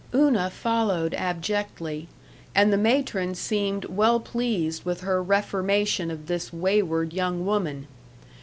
Una followed abjectly, and the matron seemed well pleased with her reformation of this wayward young woman.